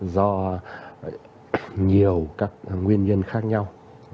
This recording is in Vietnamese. do nhiều các nguyên nhân khác nhau